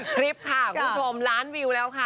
คลิปค่ะคุณผู้ชมล้านวิวแล้วค่ะ